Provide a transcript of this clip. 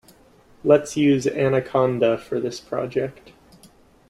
Let's use Anaconda for this project.